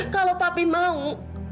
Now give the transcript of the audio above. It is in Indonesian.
kalau papi mau